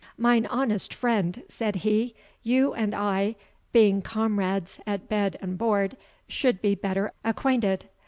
"Mine honest friend," said he, "you and I, being comrades at bed and board, should be better acquainted.